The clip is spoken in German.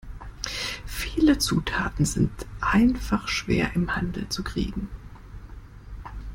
Viele Zutaten sind einfach schwer im Handel zu kriegen.